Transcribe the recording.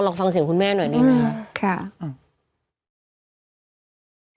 ลองฟังเสียงคุณแม่หน่อยดีกว่านะครับค่ะ